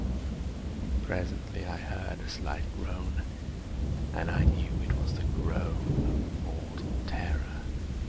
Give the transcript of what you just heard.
Presently I heard a slight groan, and I knew it was the groan of mortal terror.